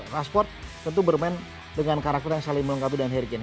riceford tentu bermain dengan karakter yang saling melengkapi dengan harry kane